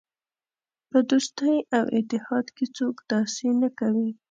په دوستۍ او اتحاد کې څوک داسې نه کوي.